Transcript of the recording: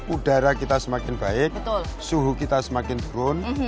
udara kita semakin baik suhu kita semakin turun